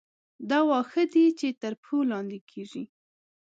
دا واښه دي چې تر پښو لاندې کېږي.